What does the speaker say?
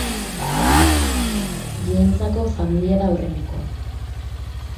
Bientzako, familia da aurrenekoa.